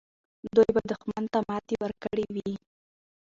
دوی به دښمن ته ماتې ورکړې وي.